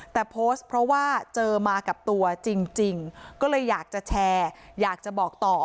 แต่โพสต์เพราะว่าเจอมากับตัวจริงก็เลยอยากจะแชร์อยากจะบอกต่อ